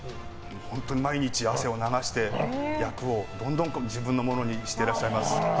本当に毎日汗を流して役をどんどん自分のものにしていらっしゃいます。